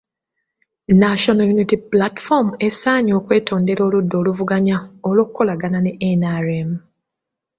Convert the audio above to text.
National Unity Platform esaanye okwetondera oludda oluvuganya olw’okukolagana ne NRM.